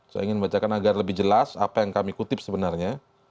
saya ingin bacakan agar lebih jelas apa yang kami kutip sebenarnya